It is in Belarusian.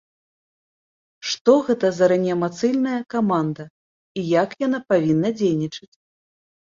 Што гэта за рэанімацыйная каманда і як яна павінна дзейнічаць?